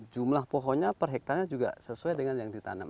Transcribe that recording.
jumlah pohonnya per hektarnya juga sesuai dengan yang ditanam